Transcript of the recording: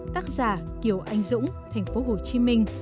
tác giả kiều anh dũng tp hcm